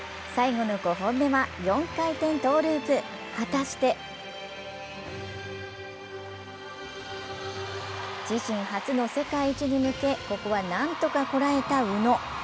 最後の５本目は４回転トゥループ、果たして自身初の世界一に向けここは何とかこらえた宇野。